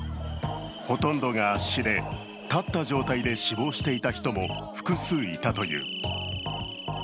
ほとんどが圧死で、立った状態で死亡していた人も複数いたという。